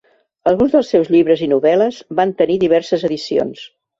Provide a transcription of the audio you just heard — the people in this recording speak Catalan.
Alguns dels seus llibres i novel·les van tenir diverses edicions.